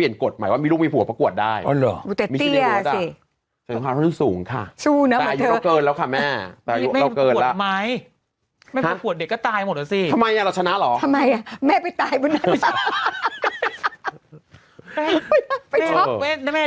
อีกคนใครนะแม่